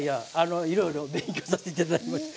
いろいろ勉強させて頂きました。